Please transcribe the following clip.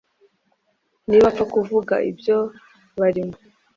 ntibapfa kuvuga ibyo barimo